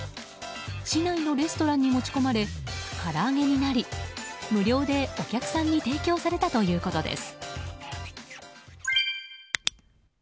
市内のレストランに持ち込まれから揚げになり無料でお客さんに提供されたということです。